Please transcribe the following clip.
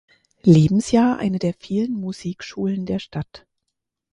Lebensjahr eine der vielen Musikschulen der Stadt.